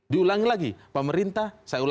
diulangi lagi pemerintah